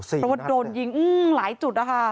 แเปลว่าหาพวกตายหาอยู่รายการ